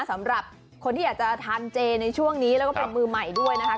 สำหรับคนที่อยากจะทานเจในช่วงนี้แล้วก็เป็นมือใหม่ด้วยนะคะ